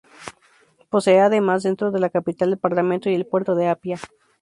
Posee además, dentro de la capital, el parlamento y el Puerto de Apia.